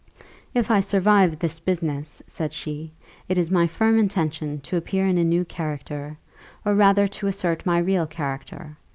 "If I survive this business," said she, "it is my firm intention to appear in a new character, or rather to assert my real character.